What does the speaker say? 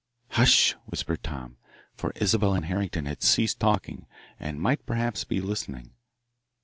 "Hush," whispered Tom, for Isabelle and Harrington had ceased talking and might perhaps be listening.